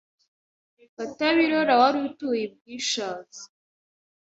Katabirora wari utuye i Bwishaza.